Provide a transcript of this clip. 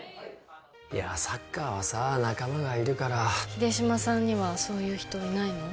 いやあサッカーはさ仲間がいるから秀島さんにはそういう人いないの？